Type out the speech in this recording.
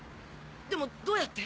でもどうやって？